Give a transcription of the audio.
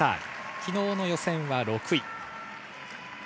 昨日の予選は６位。